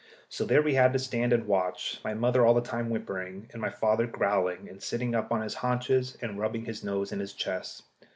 So there we had to stand and watch, my mother all the time whimpering, and my father growling, and sitting up on his haunches and rubbing his nose in his chest.